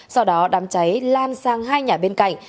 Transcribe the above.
sau đó đám cháy lan sang hai nhà bên cạnh